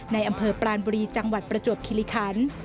ในอำเภอปรานบุรีจังหวัดประจวบคิริคัน